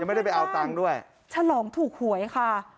ไม่ได้ไปเอาตังค์ด้วยฉลองถูกหวยค่ะ